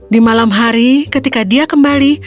di malam hari ketika dia kembali